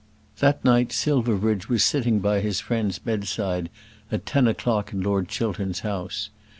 That night Silverbridge was sitting by his friend's bedside at ten o'clock in Lord Chiltern's house.